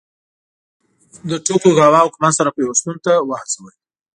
د توکوګاوا حکومت سره پیوستون ته وهڅول.